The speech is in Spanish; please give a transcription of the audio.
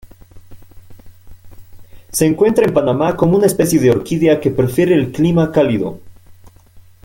Se encuentra en Panamá como una especie de orquídea que prefiere el clima cálido.